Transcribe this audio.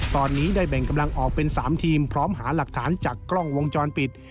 ตอนนี้ได้แบ่งกำลังออกเป็น๓ทีมพร้อมหาหลักฐานจากกล้องวงจรปิด